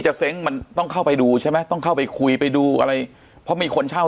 เซ้งมันต้องเข้าไปดูใช่ไหมต้องเข้าไปคุยไปดูอะไรเพราะมีคนเช่า